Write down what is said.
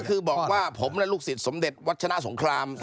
คือบอกว่าผมและลูกศิษย์สมเด็จวัชนะสงคราม